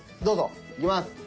どうぞ。いきます！